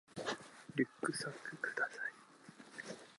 リュックサックください